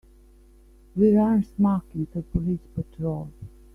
We run smack into a police patrol.